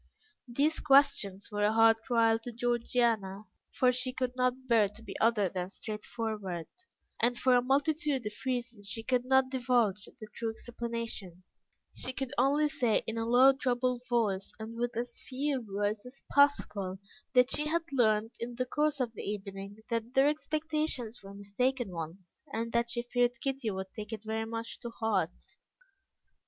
These questions were a hard trial to Georgiana, for she could not bear to be other than straightforward, and for a multitude of reasons she could not divulge the true explanation; she could only say in a low, troubled voice, and with as few words as possible, that she had learnt, in the course of the evening, that their expectations were mistaken ones, and that she feared Kitty would take it very much to heart.